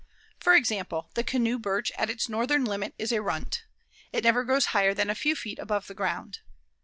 For example, the canoe birch at its northern limit is a runt. It never grows higher than a few feet above the ground.